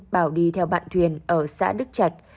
bảo đi theo bạn thuyền ở xã đức trạch